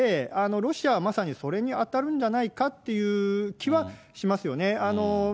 ロシアはまさにそれに当たるんじゃないかっていう気はしますよね。